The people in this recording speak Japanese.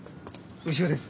牛尾です。